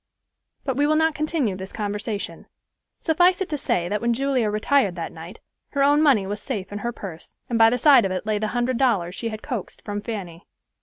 But we will not continue this conversation. Suffice it to say that when Julia retired that night, her own money was safe in her purse, and by the side of it lay the hundred dollars she had coaxed from Fanny.